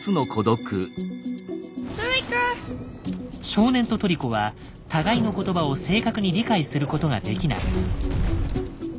少年とトリコは互いの言葉を正確に理解することができない。